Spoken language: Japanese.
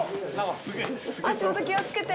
足元気を付けて。